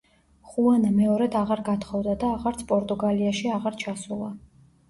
ხუანა მეორედ აღარ გათხოვდა და აღარც პორტუგალიაში აღარ ჩასულა.